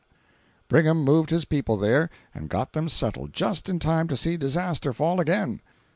Brigham moved his people there and got them settled just in time to see disaster fall again.